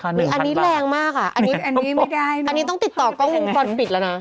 อันนี้ต้องติดต่อกล้องมุมก่อนปิดแล้วนะ